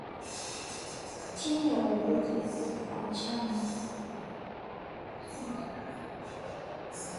Chini ya uongozi wa chama cha Ujamaa cha China